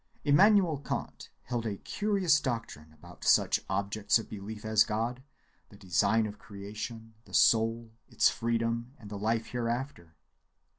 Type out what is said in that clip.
Immanuel Kant held a curious doctrine about such objects of belief as God, the design of creation, the soul, its freedom, and the life hereafter.